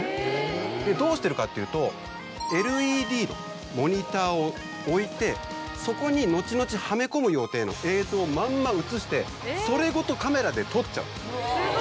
どうしてるかっていうとＬＥＤのモニターを置いてそこに後々はめ込む予定の映像をまんま映してそれごとカメラで撮っちゃうんです。